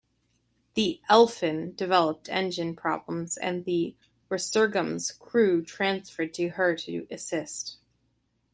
The "Elphin" developed engine problems and the "Resurgam's" crew transferred to her to assist.